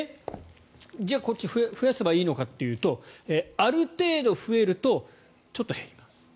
じゃあこっち増やせばいいのかというとある程度増えるとちょっと減ります。